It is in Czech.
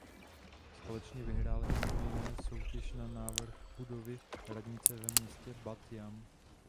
Společně vyhráli mimo jiné soutěž na návrh budovy radnice ve městě Bat Jam.